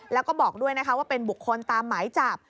แล้วก็บอกด้วยนะคะว่าเป็นบุคคลตามหมายจับ